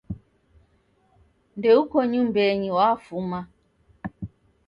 Ndeuko nyumbenyi, wafuma